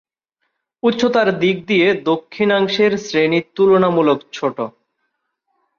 উচ্চতার দিক দিয়ে দক্ষিণাংশের শ্রেণি তুলনামূলক ছোট।